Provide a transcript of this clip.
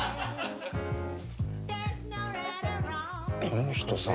この人さ。